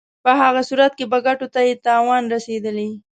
په هغه صورت کې به ګټو ته یې تاوان رسېدلی.